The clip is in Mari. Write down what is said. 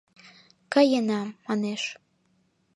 — Каена, — манеш.